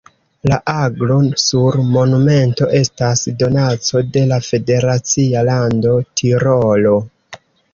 La aglo sur monumento estas donaco de la federacia lando Tirolo.